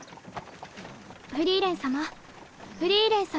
フリーレン様フリーレン様。